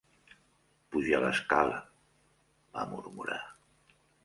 "Puja l'escala", va murmurar.